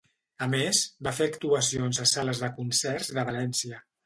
A més, va fer actuacions a sales de concerts de València.